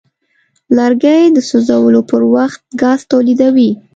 لرګی د سوځولو پر وخت ګاز تولیدوي.